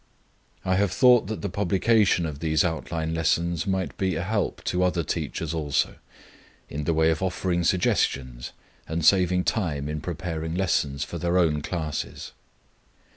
I have thought that the publication of these outline lessons might be a help to other teachers also, in the way of offering suggestions and saving time in preparing lessons for their own classes.